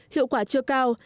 hiệu quả chưa cao